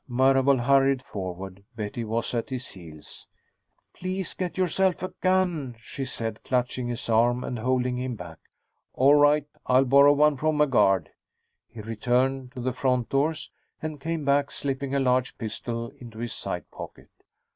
Marable hurried forward. Betty was at his heels. "Please get yourself a gun," she said, clutching his arm and holding him back. "All right. I'll borrow one from a guard." He returned to the front doors, and came back, slipping a large pistol into his side pocket.